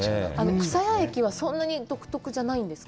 くさや液はそんなに独特じゃないんですか？